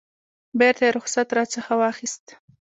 بیرته یې رخصت راڅخه واخیست.